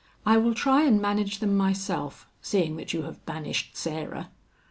I will try and manage them myself, seeing that you have banished Sarah."